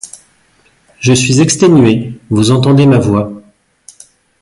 Je suis exténué, vous entendez ma voix.